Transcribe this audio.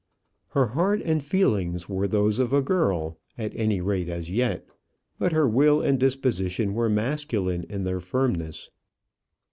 Her heart and feeling's were those of a girl, at any rate as yet; but her will and disposition were masculine in their firmness.